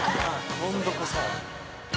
今度こそ。